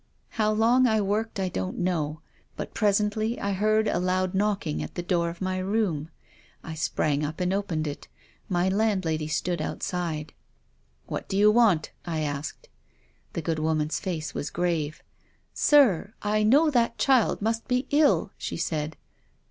I low long I worked I don't know, but presently I heard a loud knocking at the door of my room. I sprang up and opened it. My land lady stood outside. " What do you want ?" I asked. The good woman's face was grave. " Sir, I know that child must be ill," she said.